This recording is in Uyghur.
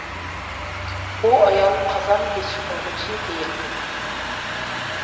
بۇ ئايال «قازان بېشى قىلغۇچى» دېيىلىدۇ.